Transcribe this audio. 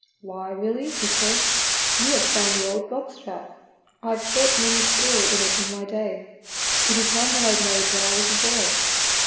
"Why, Willie, " he said, "you have found the old box trap. I have caught many a squirrel in it in my day. It is one that I made when I was a boy."